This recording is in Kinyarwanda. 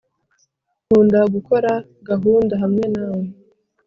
nkunda gukora gahunda hamwe nawe